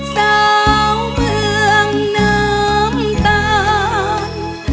เจ้าเมืองน้ำตาล